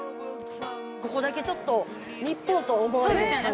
ここだけちょっと日本と思われへん感じの・